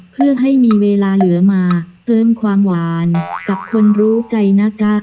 เพื่อให้มีเวลาเหลือมาเติมความหวานกับคนรู้ใจนะจ๊ะ